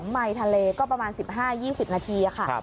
ไมค์ทะเลก็ประมาณ๑๕๒๐นาทีค่ะ